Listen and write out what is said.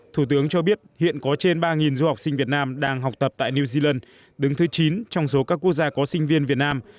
thủ tướng cho biết hiện có trên ba du học sinh việt nam đang học tập tại new zealand đứng thứ chín trong số các quốc gia có sinh viên việt nam